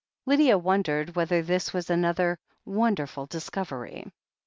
Lydia wondered whether this was another "wonder ful discovery."